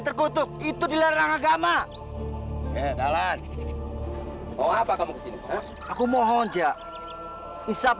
demi allah saya tidak melakukan apa apa